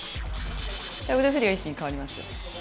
腕振りが一気に変わりますよ。